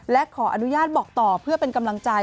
และขออนุญาตบอกต่อเพื่อเป็นกำลังใจ